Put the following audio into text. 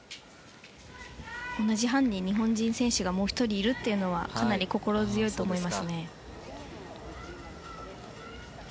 同じ班に日本人選手がもう１人いるというのはかなり心強いと思いますね。